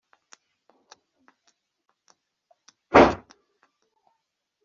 bityo rero, nubwo basenga ku mugaragaro ntibibabuza gukora ibyaha